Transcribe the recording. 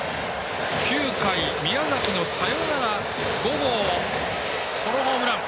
９回、宮崎のサヨナラ５号ソロホームラン。